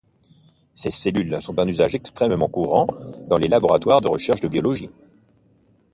Ses cellules sont d'un usage extrêmement courant dans les laboratoires de recherche de biologie.